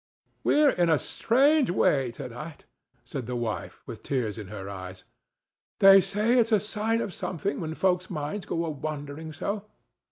"We're in a strange way to night," said the wife, with tears in her eyes. "They say it's a sign of something when folks' minds go a wandering so.